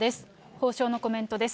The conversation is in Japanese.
法相のコメントです。